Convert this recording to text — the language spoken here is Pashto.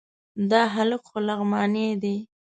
دا هلک خو لغمانی دی...